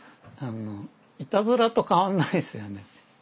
いたずらと変わんないですよね。